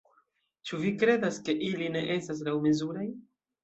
Ĉu vi kredas ke ili ne estas laŭmezuraj?